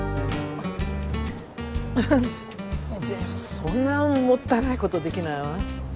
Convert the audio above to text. そんなもったいないことできないわ。